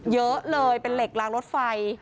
เยอะเลยเป็นเหล็กล้างรถไฟ